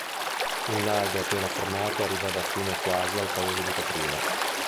Il lago appena formato arrivava fino quasi al paese di Caprile.